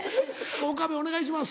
岡部お願いします。